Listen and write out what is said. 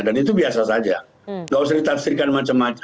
dan itu biasa saja nggak usah ditafsirkan macam macam